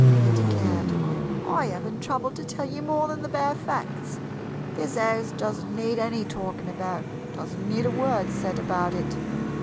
he declared. "I haven't troubled to tell you more than the bare facts. This house doesn't need any talking about doesn't need a word said about it.